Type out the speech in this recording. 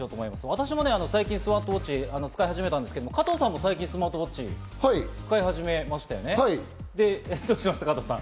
私も最近スマートウォッチ使い始めたんですけど、加藤さんも最近、スマートウォッチ使い始めましたよね。